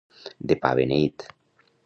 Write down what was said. De pa beneit.